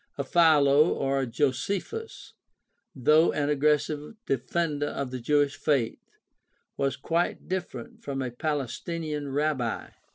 A Philo or a Josephus, though an aggressive defender of the Jewish faith, was quite different from a Palestinian rabbi.